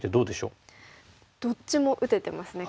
どっちも打ててますね黒。